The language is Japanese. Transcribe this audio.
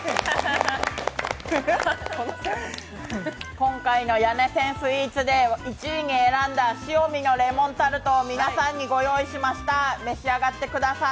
今回の谷根千スイーツで１位に選んだシオミのレモンタルトを皆さんにご用意しました、召し上がってください。